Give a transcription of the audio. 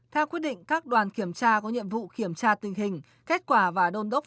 theo quyết định các đoàn kiểm tra có nhiệm vụ kiểm tra tình hình kết quả và đôn đốc